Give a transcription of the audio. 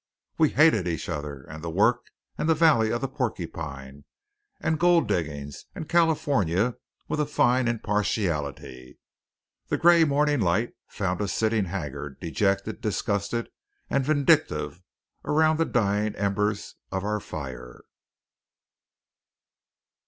We hated each other, and the work, and the valley of the Porcupine, and gold diggings, and California with a fine impartiality. The gray morning light found us sitting haggard, dejected, disgusted, and vindictive around the dying embers of our fire.